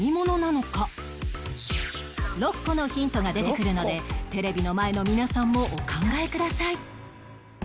６個のヒントが出てくるのでテレビの前の皆さんもお考えください